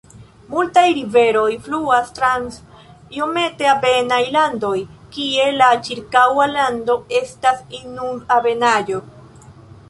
Multaj riveroj fluas trans iomete ebenaj landoj kie la ĉirkaŭa lando estas inund-ebenaĵo.